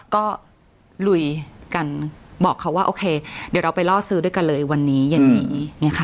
ก็ลุยกันบอกเขาว่าโอเคเดี๋ยวเราไปล่อซื้อด้วยกันเลยวันนี้อย่างนี้